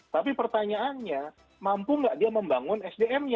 tapi pertanyaannya mampu nggak dia membangun sdm nya